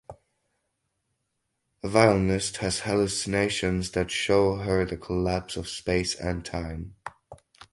A violinist has hallucinations that show her the collapse of space and time.